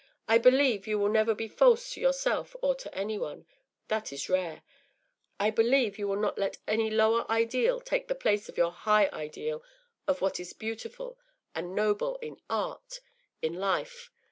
I believe you will never be false to yourself or to any one. That is rare. I believe you will not let any lower ideal take the place of your high ideal of what is beautiful and noble in art, in life.